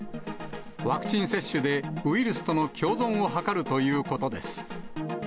ワクチン接種でウイルスとの共存を図るということです。